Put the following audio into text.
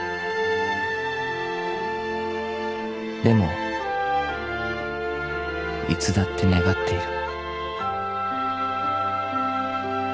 ［でもいつだって願っている］